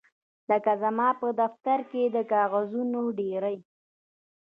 لکه زما په دفتر کې د کاغذونو ډیرۍ